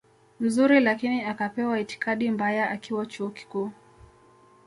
mzuri lakini akapewa itikadi mbaya akiwa chuo kikuu